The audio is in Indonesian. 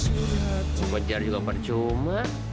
aku kejar juga percuma